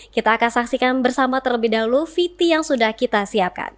kita akan saksikan bersama terlebih dahulu vt yang sudah kita siapkan